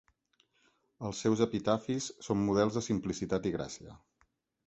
Els seus epitafis són models de simplicitat i gràcia.